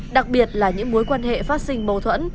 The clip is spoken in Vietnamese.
đặc biệt là những mối quan hệ phát sinh mâu thuẫn